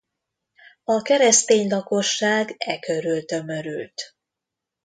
A keresztény lakosság e körül tömörült.